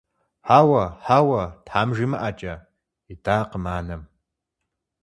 Хьэуэ, хьэуэ, тхьэм жимыӀэкӀэ! – идакъым анэм.